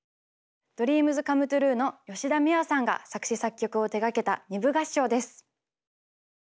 ＤＲＥＡＭＳＣＯＭＥＴＲＵＥの吉田美和さんが作詞・作曲を手がけた二部合唱です。